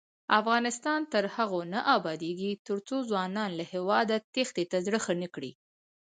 افغانستان تر هغو نه ابادیږي، ترڅو ځوانان له هیواده تېښتې ته زړه ښه نکړي.